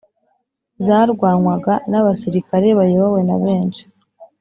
zarwanywaga n' abasirikare bayobowe na benshi